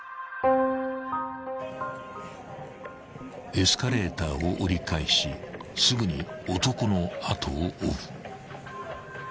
［エスカレーターを折り返しすぐに男の後を追う］